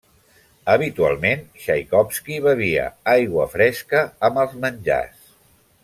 Habitualment Txaikovski bevia aigua fresca amb els menjars.